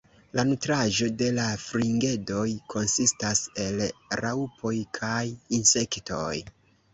La nutraĵo de la fringedoj konsistas el raŭpoj kaj insektoj.